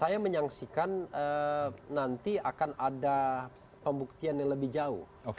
saya menyaksikan nanti akan ada pembuktian yang lebih jauh